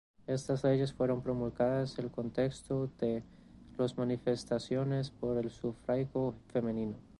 Estas leyes fueron promulgadas el contexto de los manifestaciones por el Sufragio femenino.